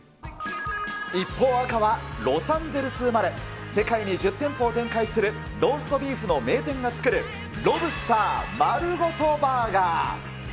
一方、赤はロサンゼルス生まれ、世界に１０店舗を展開する、ローストビーフの名店が作るロブスター丸ごとバーガー。